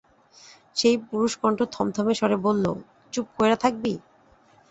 সেই পুরুষকণ্ঠ থমথমে স্বরে বলল, চুপ কইরা থাকবি।